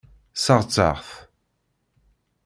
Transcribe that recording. Sseɣtaɣ-t.